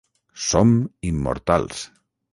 "Som" immortals!